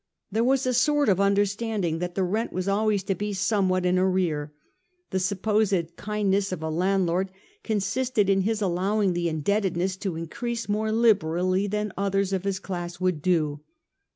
There was a sort of understanding that the rent was always to he somewhat in arrear ; the supposed kind ness of a landlord consisted in his allowing the in debtedness to increase more liberally than others of his class would do.